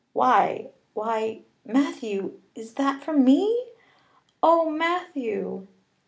Why why Matthew, is that for me? Oh, Matthew!"